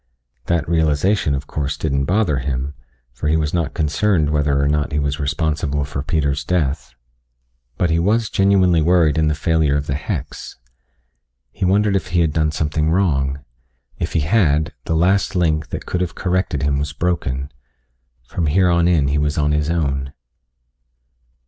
That realization, of course, didn't bother him, for he was not concerned whether or not he was responsible for Peter's death, but he was genuinely worried in the failure of the hex. He wondered if he had done something wrong. If he had, the last link, that could have corrected him was broken. From here on in he was on his own.